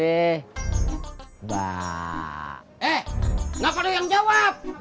eh kenapa lu yang jawab